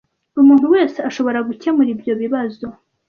Umuntu wese ashoboragukemura ibyo kibazo.